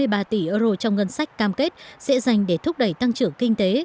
ba mươi ba tỷ euro trong ngân sách cam kết sẽ dành để thúc đẩy tăng trưởng kinh tế